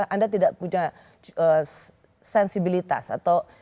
anda tidak punya sensibilitas atau